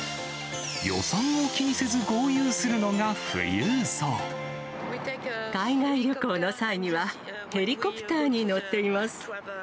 予算を気にせず豪遊するのが海外旅行の際には、ヘリコプターに乗っています。